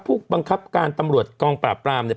ผู้บังคับการตำรวจกองปราบปรามเนี่ย